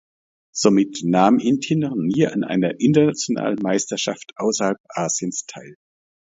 Somit nahm Indien noch nie an einer internationalen Meisterschaft außerhalb Asiens teil.